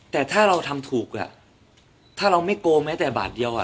แต่ถ้าเราทำถูกถ้าเราไม่โกงแม้แต่บาทเดียว